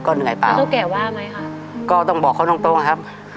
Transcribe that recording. ก็เหนื่อยเปล่ามันต้องแก่ว่ามั้ยครับก็ต้องบอกเขาตรงตรงครับ